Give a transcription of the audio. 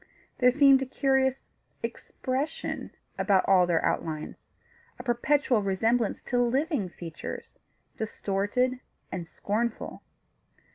There seemed a curious expression about all their outlines a perpetual resemblance to living features, distorted and scornful.